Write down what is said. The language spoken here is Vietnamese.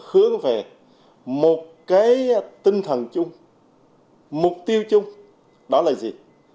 hướng về một cái tinh thần chung mục tiêu chung đó là gì